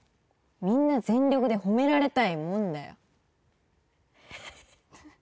みんな全力で褒められたいもんだよ